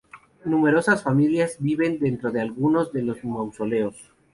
Numerosas familias viven dentro de algunos de los mausoleos.